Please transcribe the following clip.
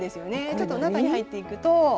ちょっと中に入っていくと。